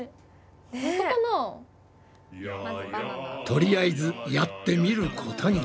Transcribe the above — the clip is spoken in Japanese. とりあえずやってみることに。